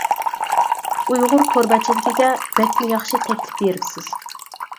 ئۇيغۇر تور بەتچىلىكىگە بەكمۇ ياخشى تەكلىپ بېرىپسىز.